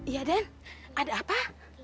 iya den ada apa